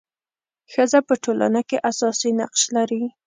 ښځه په ټولنه کي اساسي نقش لري.